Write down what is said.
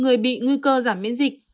người bị nguy cơ giảm miễn dịch